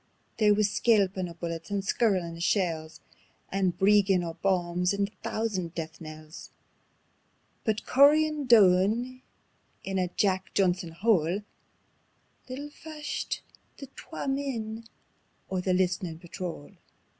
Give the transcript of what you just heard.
There wis skelpin' o' bullets and skirlin' o' shells, And breengin' o' bombs and a thoosand death knells; But cooryin' doon in a Jack Johnson hole Little fashed the twa men o' the List'nin' Patrol.